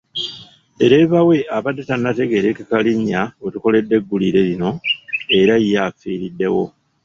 Ddereeva we abadde tannategeerekeka linnya we tukoledde eggulire lino era ye afiiriddewo.